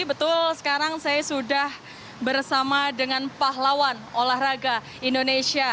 betul sekarang saya sudah bersama dengan pahlawan olahraga indonesia